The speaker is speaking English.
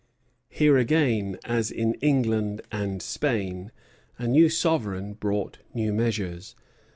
Here again, as in England and Spain, a new sovereign brought new measures.